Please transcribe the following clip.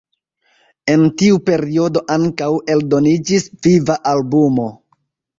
En tiu periodo ankaŭ eldoniĝis viva albumo.